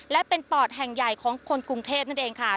และเป็นปอดแห่งใหญ่ของคนกรุงเทพนั่นเองค่ะ